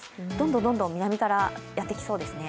どんどん南からやってきそうです。